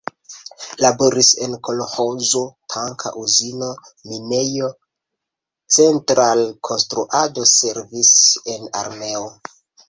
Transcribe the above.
Laboris en kolĥozo, tanka uzino, minejo, central-konstruado, servis en armeo.